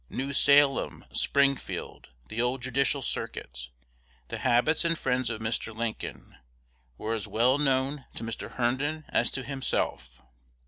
New Salem, Springfield, the old judicial circuit, the habits and friends of Mr. Lincoln, were as well known to Mr. Herndon as to himself.